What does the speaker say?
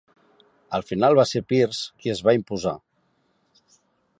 Al final va ser Pearce qui es va imposar.